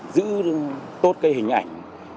giữ tốt cái hình ảnh